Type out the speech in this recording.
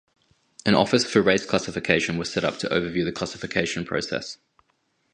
An "Office for Race Classification" was set up to overview the classification process.